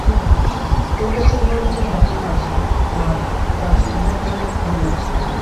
তোর কাছে দেওয়ার মতো বাহানা আছে আর তা শোনার জন্য আমি আছি।